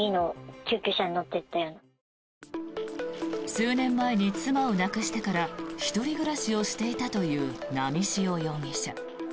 数年前に妻を亡くしてから１人暮らしをしていたという波汐容疑者。